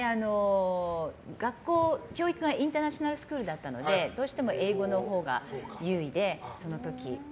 学校、教育がインターナショナルスクールだったのでどうしても英語のほうが優位で、その時。